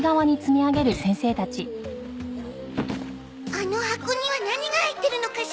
あの箱には何が入ってるのかしら？